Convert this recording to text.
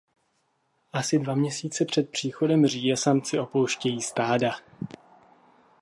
Asi dva měsíce před příchodem říje samci opouštějí stáda.